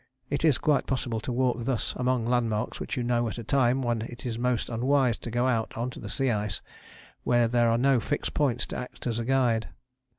It is quite possible to walk thus among landmarks which you know at a time when it is most unwise to go out on to the sea ice where there are no fixed points to act as a guide.